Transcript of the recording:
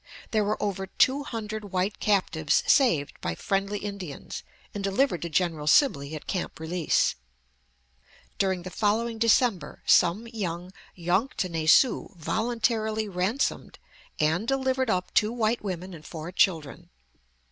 There were over two hundred white captives saved by friendly Indians and delivered to General Sibley at Camp Release. During the following December some young Yanktonnais Sioux voluntarily ransomed and delivered up two white women and four children.